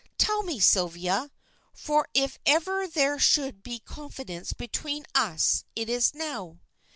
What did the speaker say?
Tell me, Sylvia, for if ever there should be confidence between us it is now."